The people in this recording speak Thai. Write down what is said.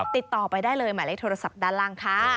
ติดต่อไปได้เลยหมายเลขโทรศัพท์ด้านล่างค่ะ